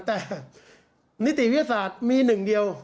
แต่นิติวิทยาศาสตร์มีหนึ่งเดียว